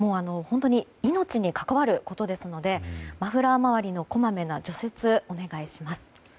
命に関わることですのでマフラー周りのこまめな除雪をお願いします。